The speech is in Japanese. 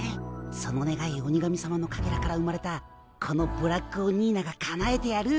そのねがい鬼神さまのかけらから生まれたこのブラックオニーナがかなえてやる。